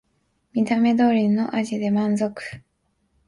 見た目通りの味で満足